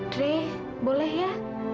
dre boleh ya